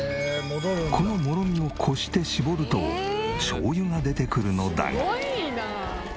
このもろみをこして搾るとしょうゆが出てくるのだが。